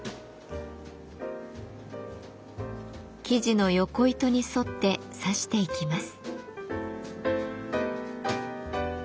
生地の横糸に沿って刺していきます。